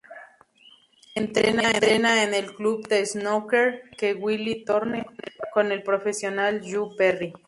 Entrena en el Club de Snooker de Willie Thorne con el profesional Joe Perry.